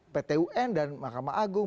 pt un dan mahkamah agung